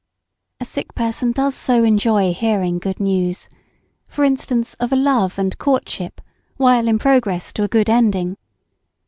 A sick person does so enjoy hearing good news: for instance, of a love and courtship, while in progress to a good ending.